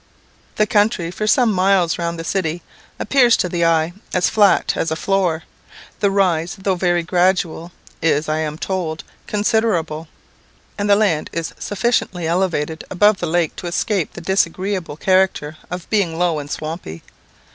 The country, for some miles round the city, appears to the eye as flat as a floor; the rise, though very gradual, is, I am told, considerable; and the land is sufficiently elevated above the lake to escape the disagreeable character of being low and swampy.